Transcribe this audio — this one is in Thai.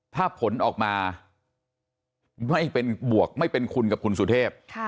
ถ้าผลออกมาไม่เป็นบวกไม่เป็นคุณกับคุณสุเทพ